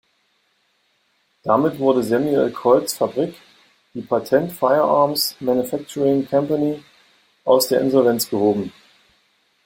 Damit wurde Samuel Colts Fabrik, die Patent Firearms Manufacturing Company, aus der Insolvenz gehoben.